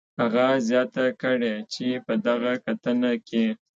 هغه زیاته کړې چې په دغه کتنه کې